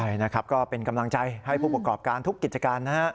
ใช่นะครับก็เป็นกำลังใจให้ผู้ประกอบการทุกกิจการนะฮะ